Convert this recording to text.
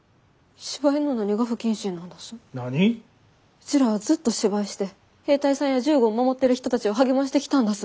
うちらはずっと芝居して兵隊さんや銃後を守ってる人たちを励ましてきたんだす。